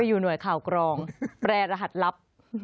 อยู่หน่วยข่าวกรองแปรหัสลับ